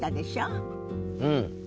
うん。